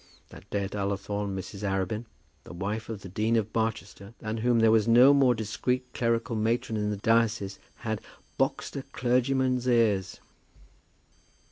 That day at Ullathorne Mrs. Arabin, the wife of the Dean of Barchester, than whom there was no more discreet clerical matron in the diocese, had boxed a clergyman's ears!